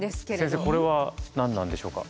先生これは何なんでしょうか？